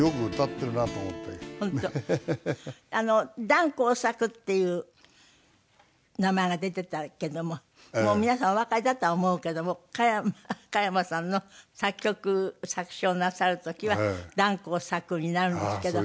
弾厚作っていう名前が出てたけどももう皆さんおわかりだとは思うけども加山さんの作曲作詞をなさる時は弾厚作になるんですけど。